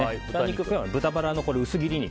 今日は豚バラの薄切り肉。